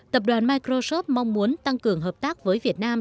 tập đoàn microsoft mong muốn tăng cường hợp tác với việt nam